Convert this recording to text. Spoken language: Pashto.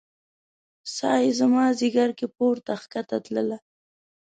ساه يې زما ځیګر کې پورته کښته تلله